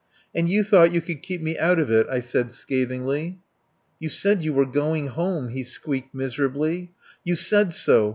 "And you thought you could keep me out of it," I said scathingly. "You said you were going home," he squeaked miserably. "You said so.